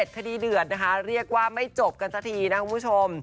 คดีเดือดนะคะเรียกว่าไม่จบกันสักทีนะคุณผู้ชม